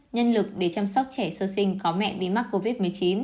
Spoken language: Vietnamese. nhân lực để chăm sóc trẻ sơ sinh có mẹ bị mắc covid một mươi chín